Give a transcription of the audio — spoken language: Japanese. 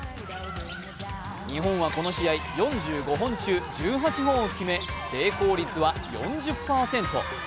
日本はこの試合、４５本中１８本を決め、成功率は４０％。